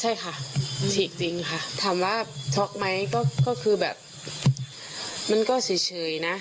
ใช่ค่ะฉีกจริงค่ะถามว่าช็อกไหมก็คือแบบมันก็เฉยนะ